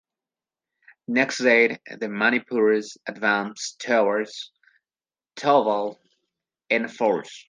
Next day, the Manipuris advanced towards Thobal in force.